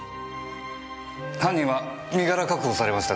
犯人は身柄確保されました。